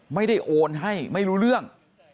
ไม่ได้โอนให้ไม่รู้เรื่อง